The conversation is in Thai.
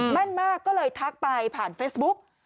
แม่นมากก็เลยทักไปผ่านเฟซบุ๊ก